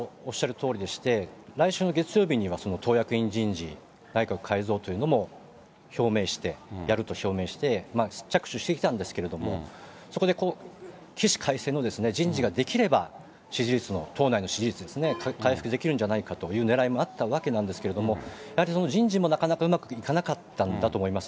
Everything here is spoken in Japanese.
とおりでして、来週の月曜日には党役員人事、内閣改造というのも表明して、やると表明して着手してきたんですけれども、そこで起死回生の人事ができれば、支持率の、党内の支持率ですね、回復できるんじゃないかというねらいもあったんじゃないかと思うんですけれども、やはりその人事もなかなかうまくいかなかったんだと思います。